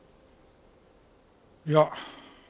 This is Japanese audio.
いや。